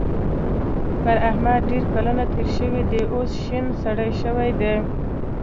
پر احمد ډېر کلونه تېر شوي دي؛ اوس شين سری شوی دی.